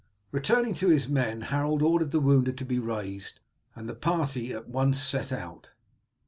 Returning to his men, Harold ordered the wounded to be raised, and the party at once set out.